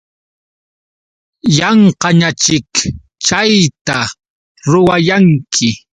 Yanqañaćhik chayta ruwayanki.